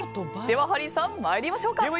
ではハリーさん、参りましょう。